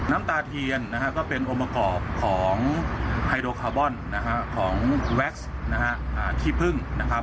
น้ำตาเทียนก็เป็นองค์ประกอบของไฮโดรคาร์บอนของแว็กซ์ขี้พึ่ง